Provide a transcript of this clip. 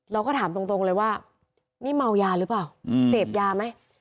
เราก็ถามตรงเลยว่านี่เมายาหรือเปล่าเสพยาไหม